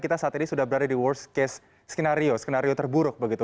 kita saat ini sudah berada di worst case skenario skenario terburuk begitu